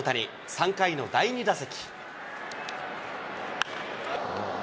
３回の第２打席。